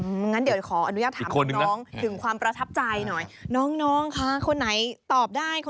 งั้นเดี๋ยวขออนุญาตถามคุณน้องถึงความประทับใจหน่อยน้องน้องคะคนไหนตอบได้